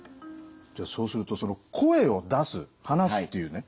じゃあそうすると声を出す話すっていうね